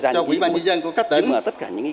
cho quỹ bàn nhân dân của các tỉnh